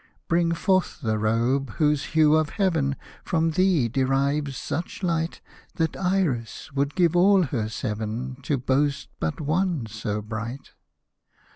Bring forth the robe, whose hue of heaven From thee derives such light. That Iris would give all her seven To boast but one so bright.